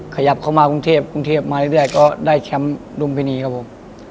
ขยับเข้ามากรุงเทพฯมาได้แชมป์ลุมปิณีครับผม